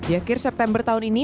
di akhir september tahun ini